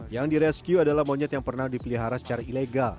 yang direscue adalah monyet yang pernah dipelihara secara ilegal